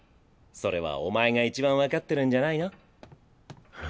それはお前がいちばん分かってるんじゃないの？